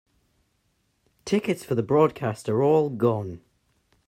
Tickets for the broadcast are all gone.